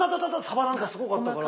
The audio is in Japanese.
サバなんかすごかったから。